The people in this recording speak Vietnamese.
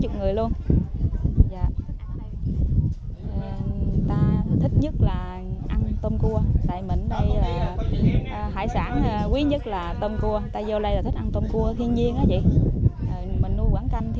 dường gao đồ người ta cũng rất thích